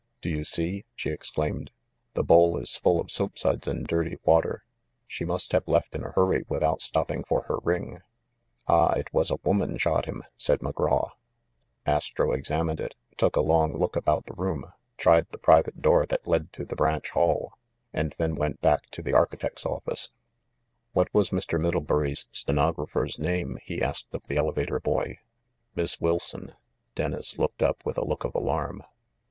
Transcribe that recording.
"Do you see?" she exclaimed. "The bowl is full of soap suds and dirty water. She must have left in a hurry without stopping for her ring." "Ah, it was a woman shot him," said McGraw. Astro examined it, took a long look about the room, tried the private door that led to the branch hall, and then went back to the architect's office. "What was Mr. Middlebury's stenographer's name?" he asked of the elevator boy. "Miss Wilson." Dennis looked up with a look of alarm.